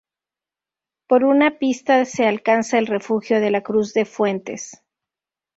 Por una pista se alcanza el refugio de la Cruz de Fuentes.